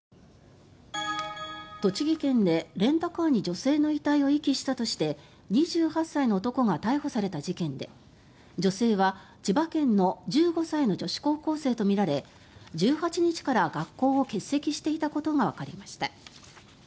栃木県でレンタカーに女性の遺体を遺棄したとして２８歳の男が逮捕された事件で女性は千葉県の１５歳の女子高校生とみられ１８日から学校を欠席していたことがわかりました。